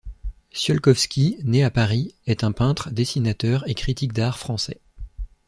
Ciolkowski, né à Paris, est un peintre, dessinateur et critique d'art français.